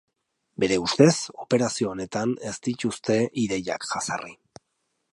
Bere ustez, operazio honetan ez dituzte ideiak jazarri.